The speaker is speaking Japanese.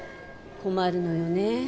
困るのよね。